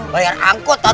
bayar angkot lah tuh